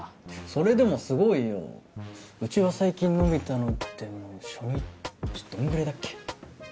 それでもすごいようちは最近伸びたのでも初日どんぐらいだっけ？